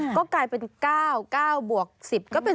ก็กลายเป็น๙๙บวก๑๐ก็เป็น